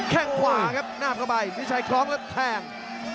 แค่งขวาครับน่าพอไปมิ้วชายไปทะแทง